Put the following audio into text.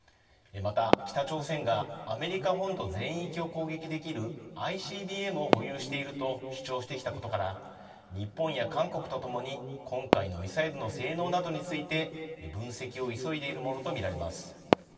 また北朝鮮がアメリカ本土全域を攻撃できるＩＣＢＭを保有していると主張してきたことから日本や韓国とともに今回のミサイルの性能などについて分析を急いでいるものと見られます。